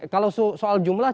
kalau soal jumlah